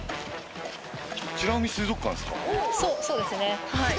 そうですねはい。